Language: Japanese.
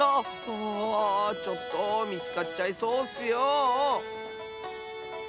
あちょっとみつかっちゃいそうッスよ！